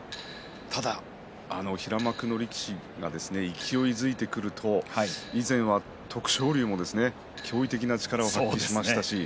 ただ平幕の力士が勢いづいてくると以前は徳勝龍も驚異的な力を見せましたね。